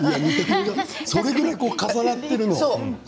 それぐらい重なっているの。